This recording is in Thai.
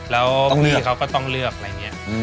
แล้วพี่เขาก็ต้องเลือกอะไรอย่างนี้